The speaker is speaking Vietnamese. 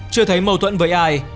chưa thấy mâu thuẫn với ai